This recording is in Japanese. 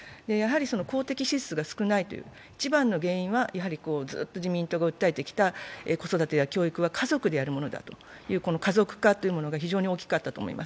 公的支出が少ないという一番の原因はずっと自民党が訴えてきた子育てや教育は家族でやるものだという家族化というものが非常に大きかったと思います。